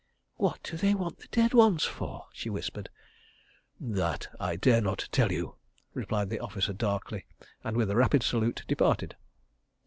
"What do they want the dead ones for?" she whispered. "That I dare not tell you," replied the officer darkly, and with a rapid salute, departed.